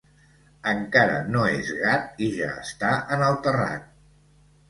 Encara no és gat i ja està en el terrat.